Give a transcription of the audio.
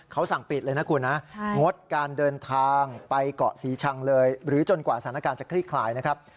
เขาสั่งปิดเลยนะคุณนะงดการเดินทางไปเกาะศรีชังเลยหรือจนกว่าสถานการณ์จะคลี่คลายนะครับ